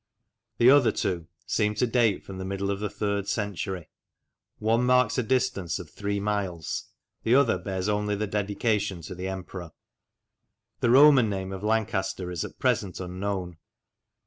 The other two seem to date from the middle of the third century ; one marks a distance of three miles, the other bears only the dedication to the emperor. The Roman name of Lancaster is at present unknown.